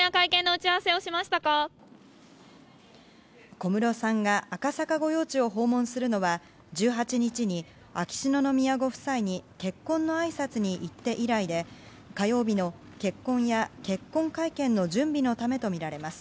小室さんが赤坂御用地を訪問するのは１８日に秋篠宮ご夫妻に結婚のあいさつに行った以来で火曜日の結婚や結婚会見の準備のためとみられます。